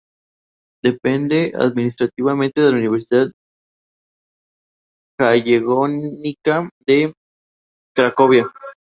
Depende administrativamente de la Universidad Jagellónica de Cracovia.